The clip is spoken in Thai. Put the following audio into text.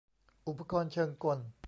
อุปกรณ์เชิงกล